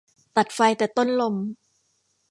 ตัดไฟแต่ต้นลม